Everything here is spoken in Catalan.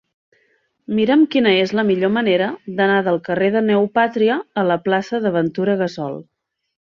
Mira'm quina és la millor manera d'anar del carrer de Neopàtria a la plaça de Ventura Gassol.